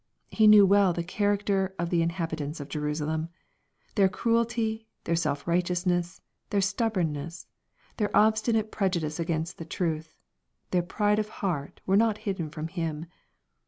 '' He knew well the character of the inhabitants of Jerusalem. Their cruelty, their self righteousness, their stubbornness, their obstinate prejudice against the truth, their pride of heart were not hidden from Him.